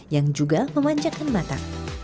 yang juga memanjakan mata